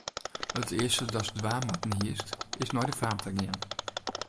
It earste datst dwaan moatten hiest, is nei de faam ta gean.